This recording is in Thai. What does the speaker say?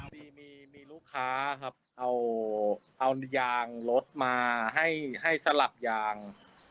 ทีนี้มีลูกค้าเอายางรถมาให้สลับยาง